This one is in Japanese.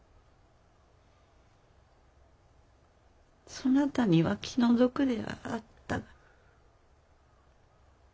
そなたには気の毒であった。